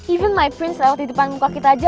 even my prince lewat di depan muka kita aja